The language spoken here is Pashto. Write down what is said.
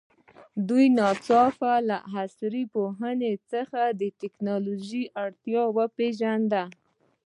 دوی ناڅاپه له عصري پوهنو څخه د تکنالوژي اړتیا وپېژانده.